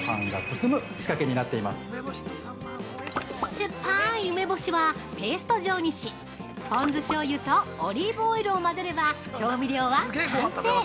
◆酸っぱい梅干しはペースト状にしポン酢しょうゆとオリーブオイルを混ぜれば調味料は完成。